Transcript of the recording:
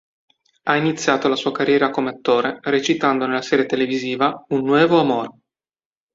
Ha iniziato la sua carriera come attore recitando nella serie televisiva "Un nuevo amor".